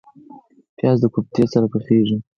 پیاز د کوفتې سره پخیږي